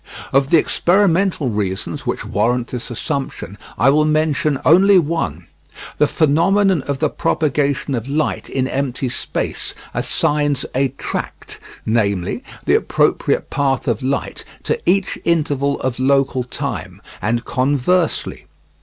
Of the experimental reasons which warrant this assumption I will mention only one. The phenomenon of the propagation of light in empty space assigns a tract, namely, the appropriate path of light, to each interval of local time, and conversely.